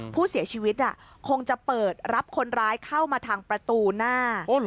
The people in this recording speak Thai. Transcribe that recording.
ผู้เสียชีวิตคงจะเปิดรับคนร้ายเข้ามาทางประตูหน้า